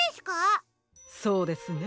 そうですね。